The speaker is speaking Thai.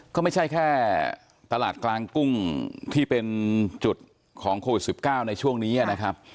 ก็ไม่ใช่แค่ตลาดกลางกุ้งที่เป็นจุดของโควิด๑๙ในช่วงนี้นะครับ